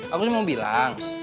aku ini mau bilang